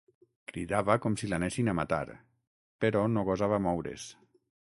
Cridava com si l'anessin a matar, però no gosava moure's.